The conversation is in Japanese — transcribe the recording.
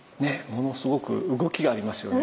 ものすごく動きがありますよね。